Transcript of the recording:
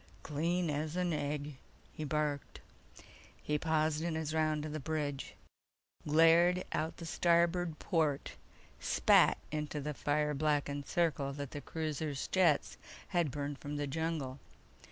"Clean as an egg!" he barked. He paused in his round of the bridge, glared out the starboard port, spat into the fire blackened circle that the cruiser's jets had burned from the jungle.